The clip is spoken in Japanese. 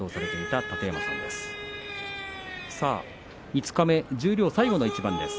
五日目、十両最後の一番です。